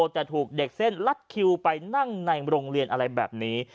แต่ถูกเด็กเส้นลัดคิวไปนั่งในโรงเรียนอะไรแบบนี้